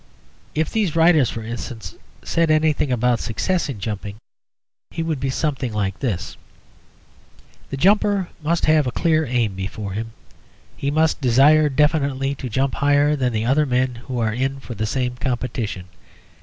If these writers, for instance, said anything about success in jumping it would be something like this: "The jumper must have a clear aim before him. He must desire definitely to jump higher than the other men who are in for the same competition.